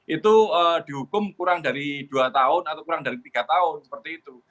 itu dihukum kurang dari dua tahun atau kurang dari tiga tahun seperti itu